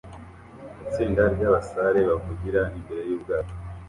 Itsinda ry'abasare bavugira imbere y'ubwato